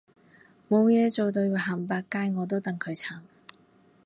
冇嘢做到要行百佳我都戥佢慘